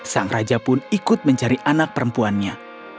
sang raja pun ikut mencari anak perempuannya